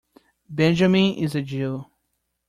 Benjamin is a Jew.